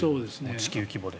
地球規模で。